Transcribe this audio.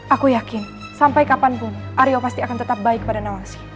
aku yakin sampai kapanpun aryo pasti akan tetap baik pada nawasi